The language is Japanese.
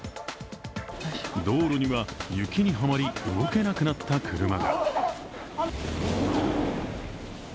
道路には、雪にはまり動けなくなった車が。